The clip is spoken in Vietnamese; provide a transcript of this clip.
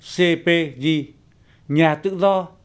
cpj nhà tự do